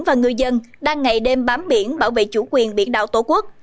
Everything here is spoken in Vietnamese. và người dân đang ngày đêm bám biển bảo vệ chủ quyền biển đảo tổ quốc